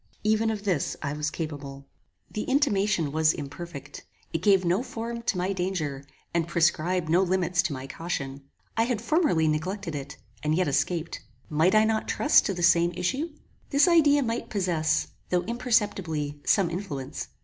Even of this I was capable! The intimation was imperfect: it gave no form to my danger, and prescribed no limits to my caution. I had formerly neglected it, and yet escaped. Might I not trust to the same issue? This idea might possess, though imperceptibly, some influence.